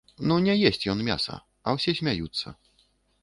Ну не есць ён мяса, а ўсе смяюцца.